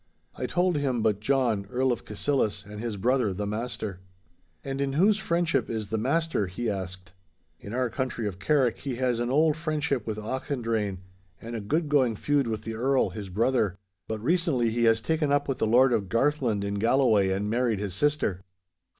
I told him but John, Earl of Cassillis, and his brother the Master. 'And in whose friendship is the Master?' he asked. 'In our country of Carrick he has an auld friendship with Auchendrayne, and a good going feud with the Earl, his brother; but recently he has taken up with the Lord of Garthland in Galloway and married his sister.